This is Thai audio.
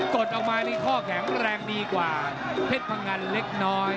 ดออกมานี่ข้อแข็งแรงดีกว่าเพชรพงันเล็กน้อย